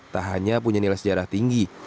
tak hanya punya nilai sejarah tinggi